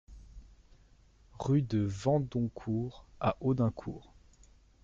Rue de Vandoncourt à Audincourt